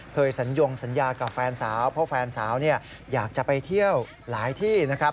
สัญญงสัญญากับแฟนสาวเพราะแฟนสาวอยากจะไปเที่ยวหลายที่นะครับ